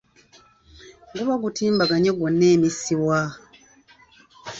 Guba gutimbaganye gwonna emisiwa.